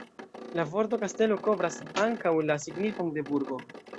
La vorto "kastelo" kovras ankaŭ la signifon de "burgo".